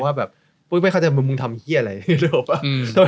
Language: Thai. ก็ว่าแบบหลายคนไม่เข้าใจว่ามึงทำเหี้ยอะไรหรอ